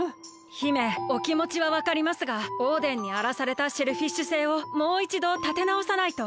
姫おきもちはわかりますがオーデンにあらされたシェルフィッシュ星をもういちどたてなおさないと。